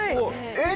えっ？